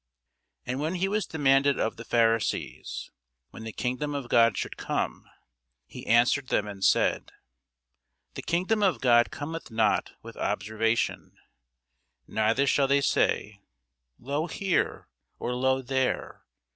And when he was demanded of the Pharisees, when the kingdom of God should come, he answered them and said, The kingdom of God cometh not with observation: neither shall they say, Lo here! or, lo there!